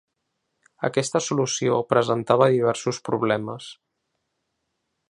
Aquesta solució presentava diversos problemes.